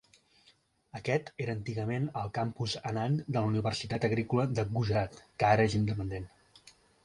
Aquest era antigament el campus Anand de la Universitat Agrícola de Gujarat, que ara és independent.